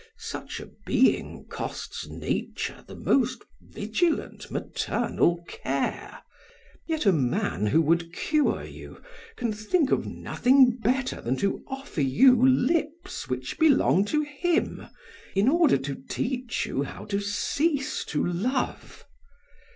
Such a being costs nature the most vigilant maternal care; yet man who would cure you, can think of nothing better than to offer you lips which belong to him in order to teach you how to cease to love.